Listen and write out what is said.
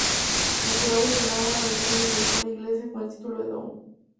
Los Bravos grabaron una versión en lengua inglesa con el título de "Down".